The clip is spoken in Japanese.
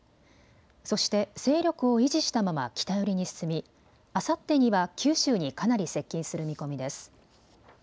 そして勢力を維持したまま北寄りに進みあさってには九州にかなり接近する見込みです。